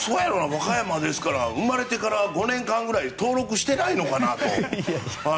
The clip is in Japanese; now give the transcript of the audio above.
和歌山ですから生まれてから５年間くらい登録してないのかなと。